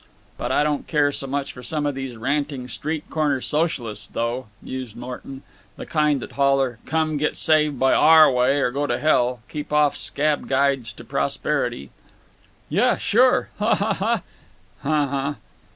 "But I don't care so much for some of these ranting street corner socialists, though," mused Morton. "The kind that holler 'Come get saved our way or go to hell! Keep off scab guides to prosperity.'" "Yuh, sure. Ha! ha! ha!"